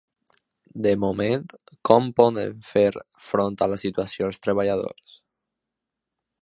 De moment, com poden fer front a la situació, els treballadors?